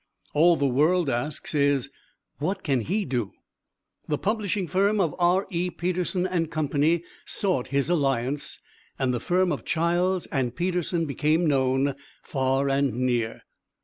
All the world asks is, "What can he do"? The publishing firm of R. E. Peterson & Co. sought his alliance, and the firm of Childs and Peterson became known far and near.